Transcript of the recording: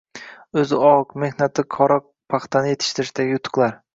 O‘zi oq, mehnati qora paxtani yetishtirishdagi yutuqlar